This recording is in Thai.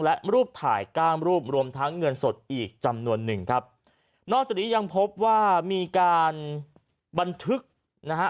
และรูปถ่ายก้ามรูปรวมทั้งเงินสดอีกจำนวนหนึ่งครับนอกจากนี้ยังพบว่ามีการบันทึกนะฮะ